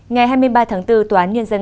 ngày hai mươi ba tháng bốn tòa án nhân dân